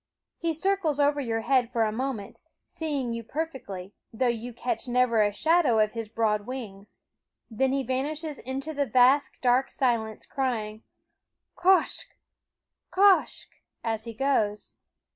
He circles over your head for a moment, seeing you perfectly, though you catch never a shadow of his broad wings; then he vanishes into the vast, dark silence, crying Quoskh? quoskh? as he goes.